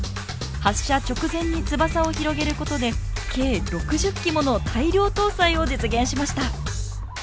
発射直前に翼を広げることで計６０機もの大量搭載を実現しました。